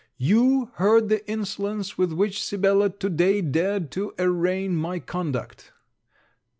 You heard the insolence with which Sibella, to day dared to arraign my conduct.